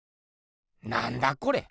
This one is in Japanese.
なんだこれ。